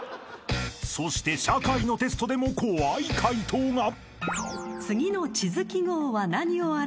［そして社会のテストでも怖い解答が］